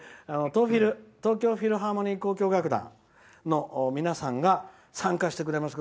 東京フィルハーモニー交響楽団の皆さんが、参加してくれます。